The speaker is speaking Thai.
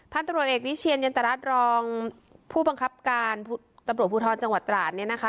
ตำรวจเอกวิเชียนยันตรรัฐรองผู้บังคับการตำรวจภูทรจังหวัดตราดเนี่ยนะคะ